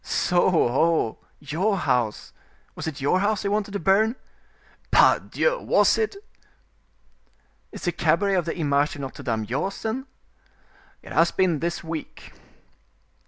"So, ho, your house—was it your house they wanted to burn?" "Pardieu! was it!" "Is the cabaret of the Image de Notre Dame yours, then?" "It has been this week."